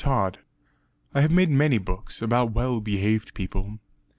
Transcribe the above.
TOD I have made many books about well behaved people.